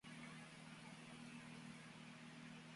Ella se presenta a ellos como Regina Falange.